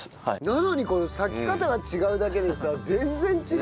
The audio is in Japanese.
なのにこのさき方が違うだけでさ全然違う！